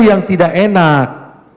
yang tidak enak